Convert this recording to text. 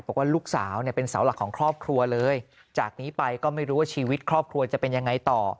บอกว่าลูกสาวเนี่ยเป็นเสาหลักของครอบครัวเลยจากนี้ไปก็ไม่รู้ว่าชีวิตครอบครัวจะเป็นยังไงต่อ